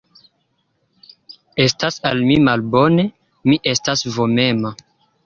Estas al mi malbone, mi estas vomema.